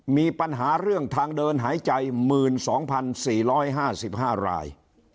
มีปัญหาเรื่องทางเดินหายใจ๑๒๔๕๕ราย